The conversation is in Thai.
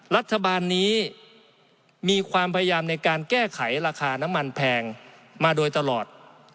รัฐบาลนี้มีความพยายามในการแก้ไขราคาน้ำมันแพงมาโดยตลอด